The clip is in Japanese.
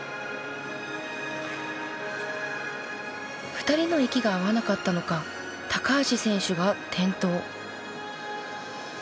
２人の息が合わなかったのか高橋選手が転倒。